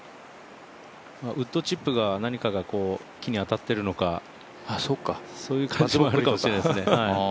ウッドチップが何かが木に当たってるのかそういう感じもあるかもしれないですね。